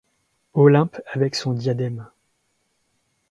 Olympe avec son diadème